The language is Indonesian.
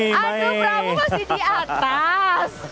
aduh prabu masih di atas